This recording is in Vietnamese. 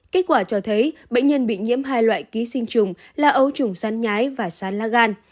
kết quả cho thấy bệnh nhân bị nhiễm hai loại ký sinh trùng là ấu trùng sán nhái và sán lá gan